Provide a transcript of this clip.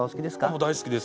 もう大好きです。